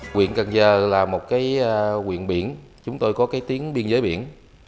quyện cần giờ là một quyện biển chúng tôi có tiếng biên giới biển